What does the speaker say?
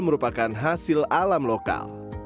merupakan hasil alam lokal